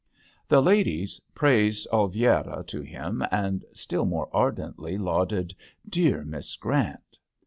The ladies praised Oliviera to him, and still more ardently lauded dear Miss Grant."